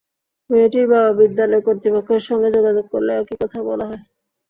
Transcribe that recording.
মেয়েটির বাবা বিদ্যালয় কর্তৃপক্ষের সঙ্গে যোগাযোগ করলে একই কথা বলা হয়।